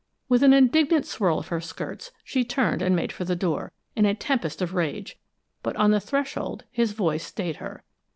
With an indignant swirl of her skirts, she turned and made for the door, in a tempest of rage; but on the threshold his voice stayed her.